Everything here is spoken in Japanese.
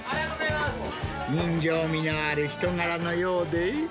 人情味のある人柄のようで。